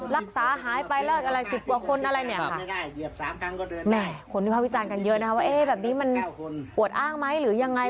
รักษาหายไปแล้วอะไรสิบกว่าคนอะไรเนี่ยค่ะเหมือนแบบนี้มันปวดอ้างไหมหรือยังไง